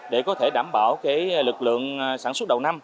để có thể đảm bảo lực lượng sản xuất đầu năm